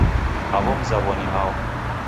Aw'o mzaw'o ni hao?